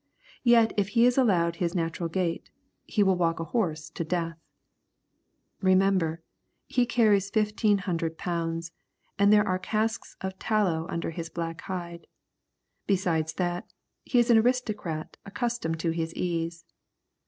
Yet if he is allowed his natural gait, he will walk a horse to death. Remember, he carries fifteen hundred pounds, and there are casks of tallow under his black hide. Besides that, he is an aristocrat accustomed to his ease.